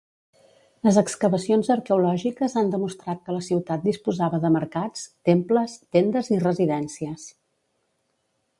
Les excavacions arqueològiques han demostrat que la ciutat disposava de mercats, temples, tendes i residencies.